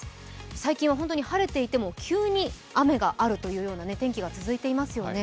最近は晴れていても急に雨があるというような天気が続いていますよね。